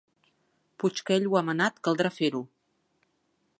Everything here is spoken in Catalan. Puix que ell ho ha manat, caldrà fer-ho.